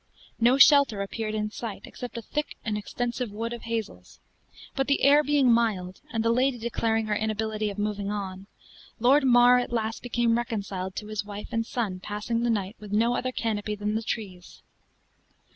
No shelter appeared in sight, excepting a thick and extensive wood of hazels; but the air being mild, and the lady declaring her inability of moving on, Lord Mar at last became reconciled to his wife and son passing the night with no other canopy than the trees.